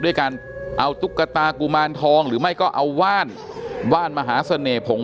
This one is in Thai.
ด้วยการเอาตุ๊กตากุมารทองหรือไม่ก็เอาว่านว่านมหาเสน่หงษ